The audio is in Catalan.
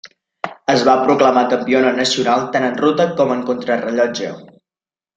Es va proclamar campiona nacional tant en ruta com en contrarellotge.